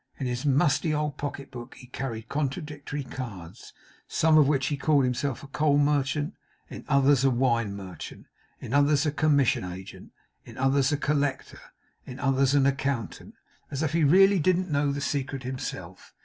In his musty old pocket book he carried contradictory cards, in some of which he called himself a coal merchant, in others a wine merchant, in others a commission agent, in others a collector, in others an accountant; as if he really didn't know the secret himself.